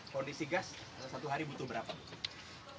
kondisi gas satu hari butuh berapa bu